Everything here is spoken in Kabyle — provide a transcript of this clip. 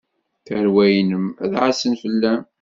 Tarwa-nnem ad ɛassen fell-am.